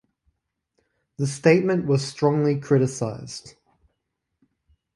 The statement was strongly criticised.